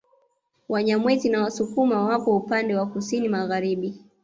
Wanyamwezi na Wasukuma wapo upande wa Kusini magharibi